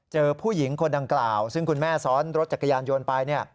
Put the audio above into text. เจอผู้หญิงคนดังกล่าวซึ่งคุณแม่ซ้อนรถจักรยานยนต์ไป